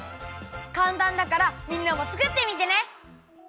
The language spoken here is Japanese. かんたんだからみんなも作ってみてね！